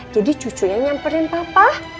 jadi cucunya nyamperin papa